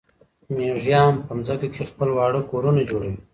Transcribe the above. مېږیان په ځمکه کې خپل واړه کورونه جوړوي.